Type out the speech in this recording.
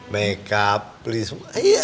make up beli semua